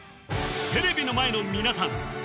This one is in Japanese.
テレビの前の皆さん